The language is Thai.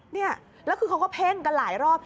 เนี่ยแล้วคือเขาก็เพ่งกันหลายรอบ